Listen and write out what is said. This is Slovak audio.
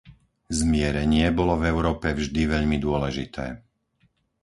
Zmierenie bolo v Európe vždy veľmi dôležité.